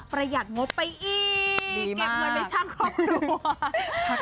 ประหยัดงบไปอีก